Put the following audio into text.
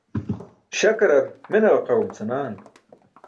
Śakrar mene ġaqaẏum senaan.